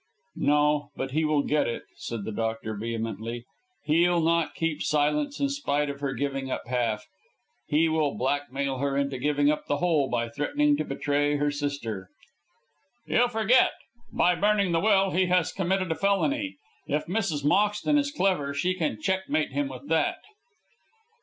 "No, but he will get it," said the doctor, vehemently. "He'll not keep silence in spite of her giving up half. He will blackmail her into giving up the whole by threatening to betray her sister." "You forget. By burning the will he has committed a felony. If Mrs. Moxton is clever she can checkmate him with that."